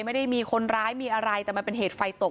ไม่ได้มีคนร้ายมีอะไรแต่มันเป็นเหตุไฟตก